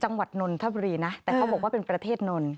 จังหวัดนนทบรีนะแต่เขาบอกว่าเป็นประเทศนนทบรี